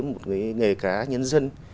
một cái nghề cá nhân dân